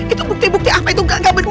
itu bukti bukti apa itu gak benar